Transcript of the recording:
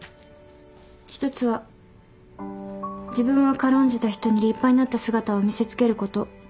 一つは「自分を軽んじた人に立派になった姿を見せつけること」